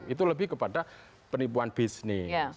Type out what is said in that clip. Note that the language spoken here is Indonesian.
itu lebih kepada penipuan bisnis